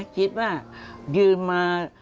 คิดว่ายืมมา